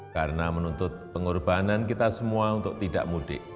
karena menuntut pengorbanan kita semua untuk tidak mudik